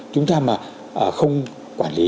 chúng ta mà không quản lý